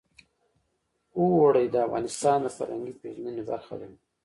اوړي د افغانانو د فرهنګي پیژندنې برخه ده.